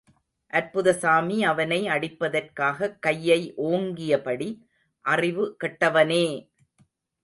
அற்புதசாமி அவனை அடிப்பதற்காக் கையை ஓங்கியபடி, அறிவு கெட்டவனே!